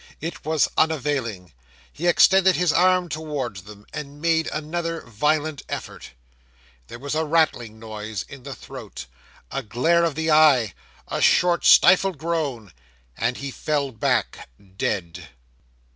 It was unavailing; he extended his arm towards them, and made another violent effort. There was a rattling noise in the throat a glare of the eye a short stifled groan and he fell back dead!